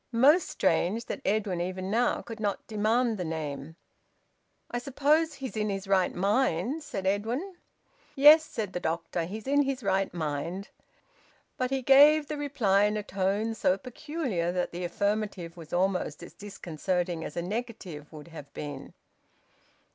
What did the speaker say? Most strange that Edwin even now could not demand the name. "I suppose he's in his right mind?" said Edwin. "Yes," said the doctor. "He's in his right mind." But he gave the reply in a tone so peculiar that the affirmative was almost as disconcerting as a negative would have been.